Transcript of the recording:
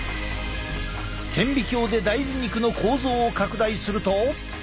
顕微鏡で大豆肉の構造を拡大すると。